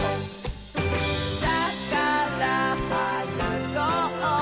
「だからはなそう！